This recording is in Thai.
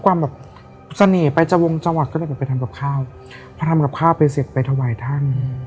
ความแบบเสน่ห์ไปจะวงจังหวัดก็เลยแบบไปทำกับข้าวพอทำกับข้าวไปเสร็จไปถวายท่าน